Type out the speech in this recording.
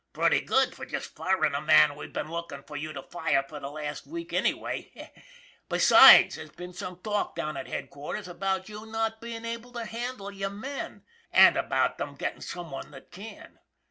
" Pretty good for just firm' a man we've been lookin' for you to fire for the last week, anyway. Besides, there's been some talk down at headquarters about you not bein' able to handle your men, and about them gettin someone that can.